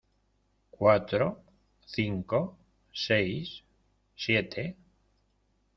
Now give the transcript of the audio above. cuatro, cinco , seis , siete